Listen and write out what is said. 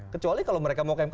kecuali kalau mereka mau ke mk